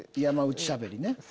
山内しゃべりね。